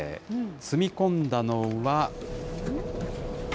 積み込んだのは。